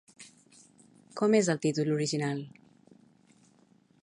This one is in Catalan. Com és el títol original?